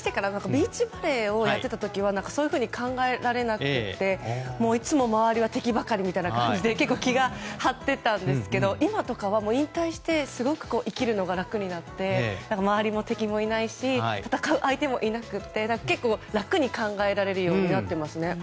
ビーチバレーをやっていた時はそういうふうに考えられなくていつも周りが敵ばかりみたいな感じで気を張ってたんですけど今とかは引退してすごく生きるのが楽になって周りも敵もいないし戦う相手もいなくて楽に考えられるようになってますね。